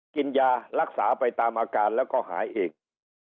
กินยารักษาไปตามอาการแล้วก็หายเอง